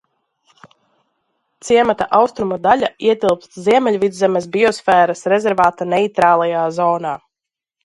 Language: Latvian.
Ciemata austrumu daļa ietilpst Ziemeļvidzemes biosfēras rezervāta neitrālajā zonā.